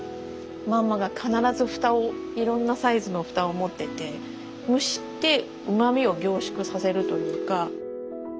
マンマが必ずふたをいろんなサイズのふたを持ってて蒸してうまみを凝縮させるというか。